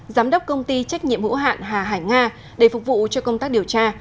giám đốc công ty trách nhiệm hữu hạn hà hải nga để phục vụ cho công tác điều tra